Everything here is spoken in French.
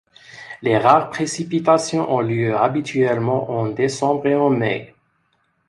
Les rares précipitations ont lieu habituellement en décembre et en mai.